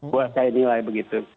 buat saya nilai begitu